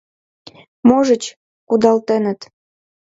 Можыч, кудалтеныт.